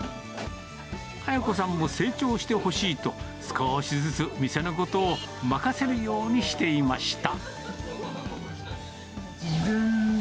文子さんも成長してほしいと、少しずつ店のことを任せるようにしていました。